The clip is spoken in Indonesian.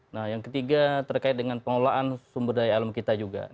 nah yang ketiga terkait dengan pengelolaan sumber daya alam kita juga